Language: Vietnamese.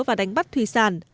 và đánh bắt thủy sản